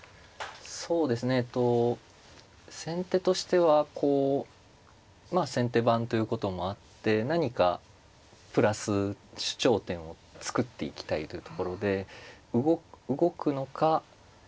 そうですねえっと先手としてはこうまあ先手番ということもあって何かプラス主張点を作っていきたいというところで動くのかえ